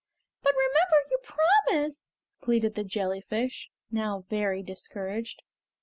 "But remember your promise!" pleaded the jellyfish, now very discouraged.